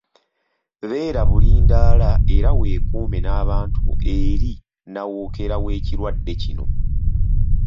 Beera bulindaala era weekuume n’abantu bo eri nnawookeera w’ekirwadde kino.